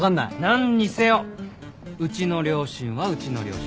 何にせようちの両親はうちの両親。